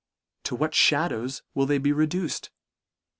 To what fhadows will they be reduced